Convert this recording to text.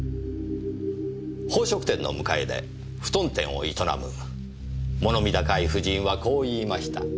宝飾店の向かいでふとん店を営む物見高い婦人はこう言いました。